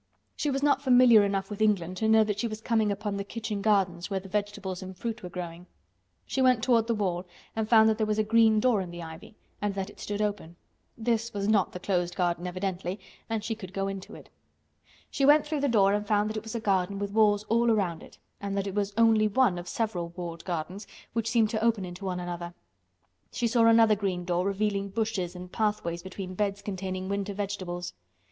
She was not familiar enough with England to know that she was coming upon the kitchen gardens where the vegetables and fruit were growing. She went toward the wall and found that there was a green door in the ivy, and that it stood open. This was not the closed garden, evidently, and she could go into it. She went through the door and found that it was a garden with walls all round it and that it was only one of several walled gardens which seemed to open into one another. She saw another open green door, revealing bushes and pathways between beds containing winter vegetables.